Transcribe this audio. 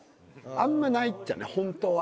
あんまないっちゃねほんとは。